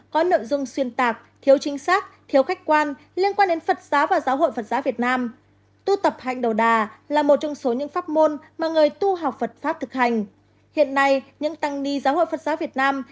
có nội dung xuyên tạc thiếu chính xác thiếu khách quan liên quan đến phật giáo và giáo hội phật giáo việt nam